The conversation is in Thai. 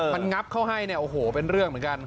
มันงับเข้าให้เนี่ยโอ้โหเป็นเรื่องเหมือนกัน